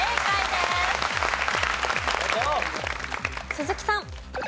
鈴木さん。